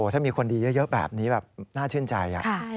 ถ้ามีคนดีเยอะแบบนี้แบบน่าชื่นใจ